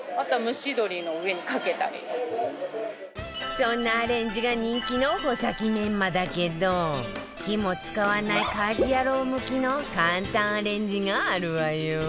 そんなアレンジが人気の穂先メンマだけど火も使わない家事ヤロウ向きの簡単アレンジがあるわよ